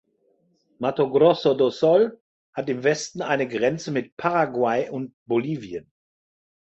Mato Grosso do Sul hat im Westen eine Grenze mit Paraguay und Bolivien.